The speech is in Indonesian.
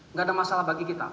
nggak ada masalah bagi kita